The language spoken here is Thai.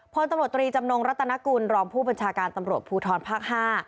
พลตำรวจตรีจำนงรัตนกุลรองผู้บัญชาการตำรวจภูทรภาค๕